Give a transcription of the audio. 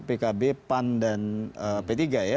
pkb pan dan p tiga ya